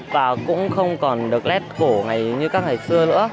và cũng không còn được lét cổ ngày như các ngày xưa nữa